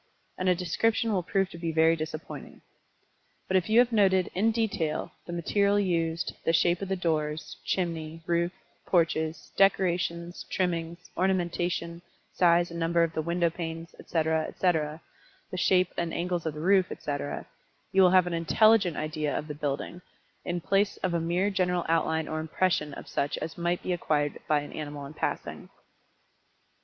And a description will prove to be very disappointing. But if you have noted, in detail, the material used, the shape of the doors, chimney, roof, porches, decorations, trimmings, ornamentation, size and number of the window panes etc., etc., the shape and angles of the roof, etc., you will have an intelligent idea of the building, in the place of a mere general outline or impression of such as might be acquired by an animal in passing.